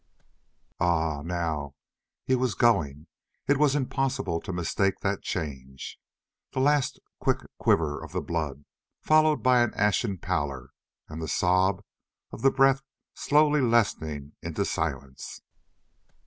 Ah! now he was going—it was impossible to mistake that change, the last quick quiver of the blood, followed by an ashen pallor, and the sob of the breath slowly lessening into silence.